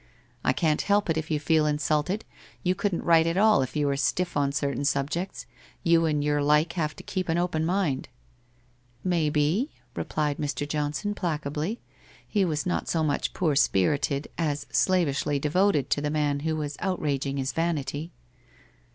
I can't help it if you feel insulted, you couldn't write at all if you were stiff on cer tain subjects, you and your like have to keep an open mind.' ' Maybe ?' replied Mr. Johnson placably, he was not so much poor spirited, as slavishly devoted to the man who was outraging his vanity.